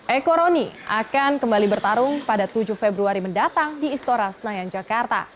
eko roni akan kembali bertarung pada tujuh februari mendatang di istora senayan jakarta